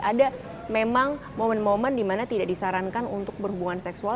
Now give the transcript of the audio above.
ada memang momen momen di mana tidak disarankan untuk berhubungan seksual